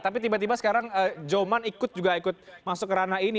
tapi tiba tiba sekarang joman ikut juga ikut masuk ke ranah ini